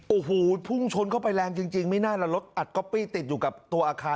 โอ้โหพุ่งชนเข้าไปแรงจริงไม่นานละรถอัดก๊อปปี้ติดอยู่กับตัวอาคาร